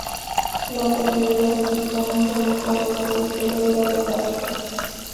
Lope de Vega dedicó un soneto a Gabriel Pereira de Castro.